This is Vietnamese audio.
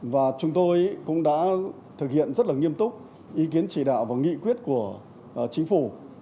và chúng tôi cũng đã thực hiện rất là nghiêm túc ý kiến chỉ đạo và nghị quyết của chính phủ